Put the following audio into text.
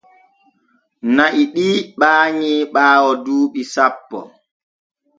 Na’i ɗi ɓaanyi ɓaawo duuɓi sappo.